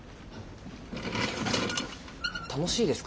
楽しいですか？